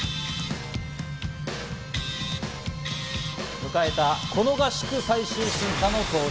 迎えたこの合宿、最終審査の当日。